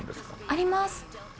あります。